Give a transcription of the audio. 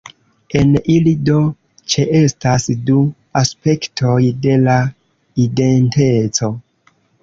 En ili, do, ĉeestas du aspektoj de la identeco.